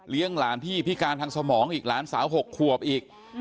หลานที่พิการทางสมองอีกหลานสาว๖ขวบอีก